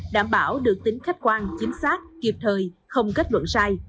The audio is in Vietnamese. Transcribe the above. đảm bảo được tính khách quan chính xác kịp thời không kết luận sai